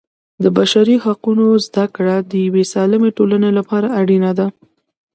د بشري حقونو زده کړه د یوې سالمې ټولنې لپاره اړینه ده.